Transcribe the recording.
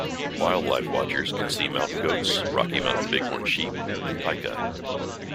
Wildlife watchers can see mountain goats, Rocky Mountain big horn sheep, and pika.